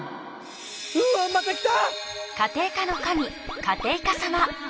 うわまた来た！